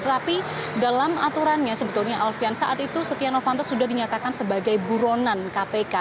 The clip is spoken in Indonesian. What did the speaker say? tetapi dalam aturannya sebetulnya alfian saat itu setia novanto sudah dinyatakan sebagai buronan kpk